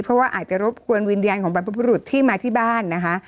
เพราะว่าอาจจะรบกวนวิญญาณของบรรพบุรุษที่มาที่บ้านนะคะ